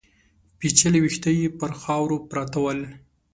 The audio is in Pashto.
پيچلي ويښته يې پر خاورو پراته ول.